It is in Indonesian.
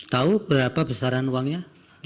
tahu berapa besaran uangnya